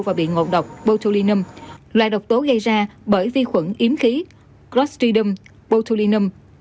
và bị ngộ độc botulinum loại độc tố gây ra bởi vi khuẩn yếm khí clostridium botulinum